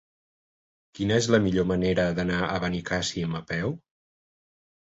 Quina és la millor manera d'anar a Benicàssim a peu?